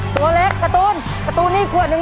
ตัวเล็กคาตูนคาตูนนี่ขวด๑ลูก